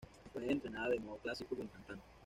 Fue entrenada de modo clásico como cantante.